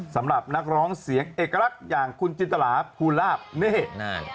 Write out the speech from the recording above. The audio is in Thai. สำหรับนักร้องเสียงเอกลักษณ์อย่างคุณจินตราภูลาภเนธนาน